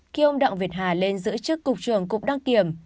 khi ông đặng việt hà lên giữ chức cục trưởng cục đăng kiểm